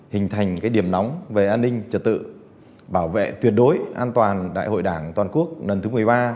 hình thành điểm nóng về an ninh trật tự bảo vệ tuyệt đối an toàn đại hội đảng toàn quốc lần thứ một mươi ba